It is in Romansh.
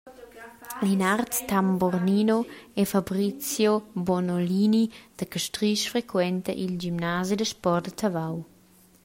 Linard Tambornino e Fabrizio Bonolini da Castrisch frequentan il gimnasi da sport a Tavau.